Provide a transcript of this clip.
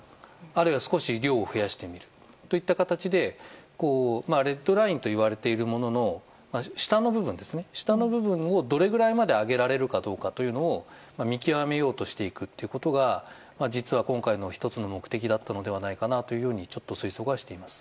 あるいは少し量を増やしてみるといった形でレッドラインといわれているものの下の部分をどれぐらいまで上げられるかを見極めようとしていくということが実は今回の１つの目的だったのではないかというようにちょっと推測はしています。